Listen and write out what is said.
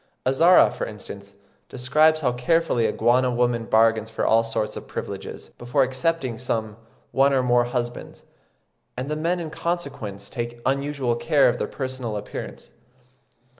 Azara, for instance, describes how carefully a Guana woman bargains for all sorts of privileges, before accepting some one or more husbands; and the men in consequence take unusual care of their personal appearance.